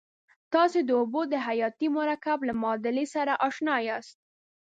تاسې د اوبو د حیاتي مرکب له معادلې سره آشنا یاست.